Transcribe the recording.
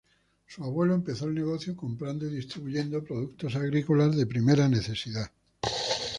Su abuelo empezó el negocio comprando y distribuyendo productos agrícolas de primera necesidad.